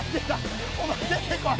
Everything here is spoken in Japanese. お前出てこい！